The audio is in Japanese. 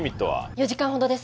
４時間ほどです